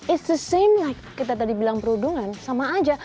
is the same like kita tadi bilang perundungan sama aja